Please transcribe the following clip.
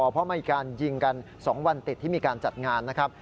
เพราะมีการยิงกัน๒วันติดที่มีการจัดงานนะครับ